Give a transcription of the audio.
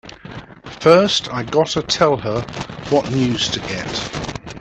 First I gotta tell her what news to get!